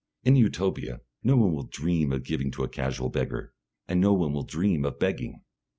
In Utopia, no one will dream of giving to a casual beggar, and no one will dream of begging.